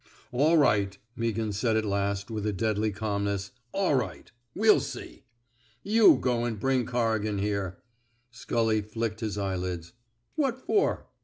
All right," Meaghan said at last, with a deadly calmness. All right. We'll see. ,.. You go an' bring Corrigan here." Scully flicked his eyelids. '' What for?